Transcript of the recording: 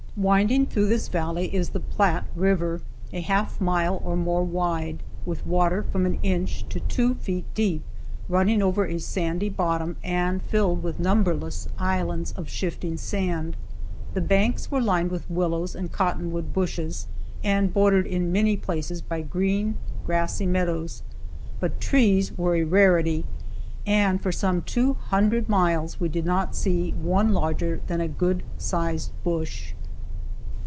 Winding through this valley is the Platte river, a half a mile or more wide, with water from an inch to two feet deep, running over a sandy bottom and filled with numberless islands of shifting sand. The banks were lined with willows and cottonwood bushes and bordered in many places by green, grassy meadows, but trees were a rarity and for some two hundred miles we did not see one larger than a good sized bush.